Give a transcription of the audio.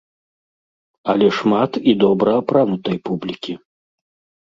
Але шмат і добра апранутай публікі.